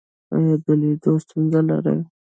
ایا د لیدلو ستونزه لرئ؟